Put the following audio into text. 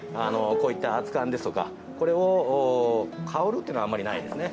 こういった熱燗ですとかこれを香るっていうのはあんまりないですね。